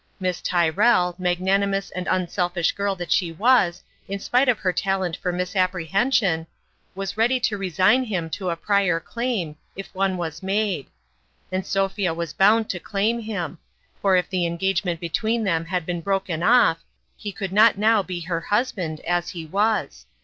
Miss Tyrrell magnanimous and un selfish girl that she was, in spite of her talent for misapprehension was ready to resign him to a prior claim, if one was made. Arid Sophia was bound to claim him ; for if the en gagement between them had been broken off, he could not now be her husband, as he was.